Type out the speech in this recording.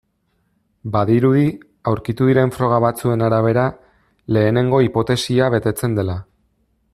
Badirudi, aurkitu diren froga batzuen arabera, lehenengo hipotesia betetzen dela.